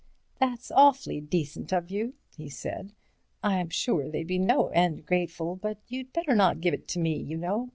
"That's awfully decent of you," he said. "I'm sure they'd be no end grateful. But you'd better not give it to me, you know.